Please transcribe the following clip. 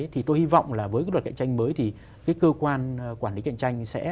thì tôi hy vọng là với cái luật cạnh tranh mới thì cái cơ quan quản lý cạnh tranh sẽ